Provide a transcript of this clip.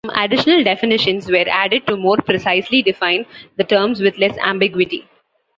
Some additional definitions were added to more precisely define the terms with less ambiguity.